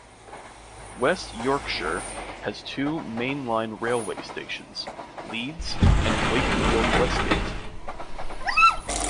West Yorkshire has two mainline railway stations, Leeds and Wakefield Westgate.